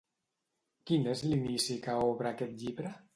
Quin és l'inici que obre aquest llibre?